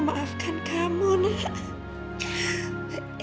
baafkan setuarnos completa